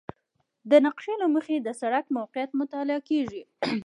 د نقشې له مخې د سړک موقعیت مطالعه کیږي